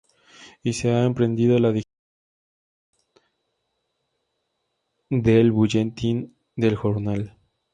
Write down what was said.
Y se ha emprendido la digitalización del "Bulletin" y del "Journal".